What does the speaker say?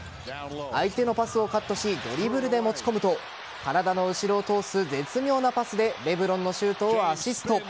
相手のパスをカットしドリブルで持ち込むと体の後ろを通す絶妙なパスでレブロンのシュートをアシスト。